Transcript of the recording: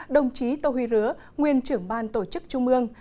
đồng chí tô huy rứa nguyên trưởng ban tổ chức trung ương